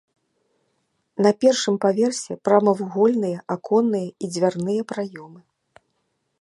На першым паверсе прамавугольныя аконныя і дзвярныя праёмы.